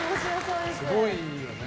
すごいよね。